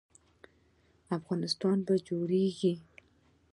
افغانستان به جوړیږي